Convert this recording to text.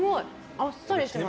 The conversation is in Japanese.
あっさりしてます。